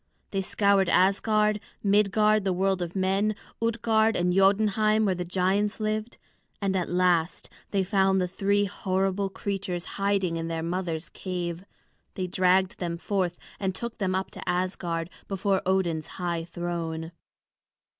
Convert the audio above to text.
They scoured Asgard, Midgard the world of men, Utgard and Jotunheim where the giants lived. And at last they found the three horrible creatures hiding in their mother's cave. They dragged them forth and took them up to Asgard, before Odin's high throne.